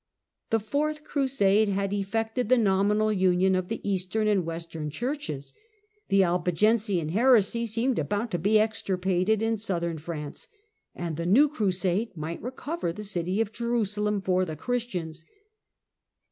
The Fourth Crusade had effected the nominal union of the Eastern and Western Churches, the Albigensian heresy seemed about to be extirpated in southern France, and the new Crusade might recover the city of Jerusalem for the Christians.